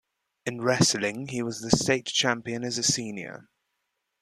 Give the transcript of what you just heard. In wrestling, he was the state champion as a senior.